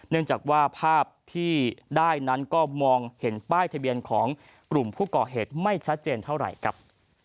เนื่องจากว่าภาพที่ได้นั้นก็มองเห็นป้ายทะเบียนของกลุ่มผู้ก่อเหตุไม่ชัดเจนเท่าไหร่ครับ